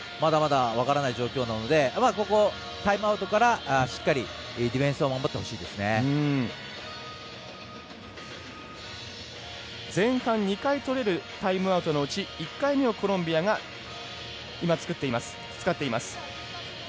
まだまだ分からないところなのでここのタイムアウトからしっかりディフェンス前半２回取れるタイムアウトのうち１回目をコロンビアが使っています。